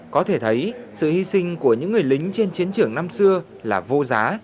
có thể thấy sự hy sinh của những người lính trên chiến trường năm xưa là vô giá